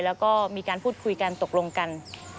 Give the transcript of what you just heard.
แล้วก็มีการพูดคุยกันตกลงกัน